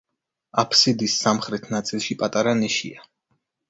აფსიდის სამხრეთ ნაწილში პატარა ნიშია.